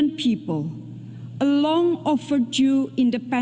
dengan kekuatan yang lama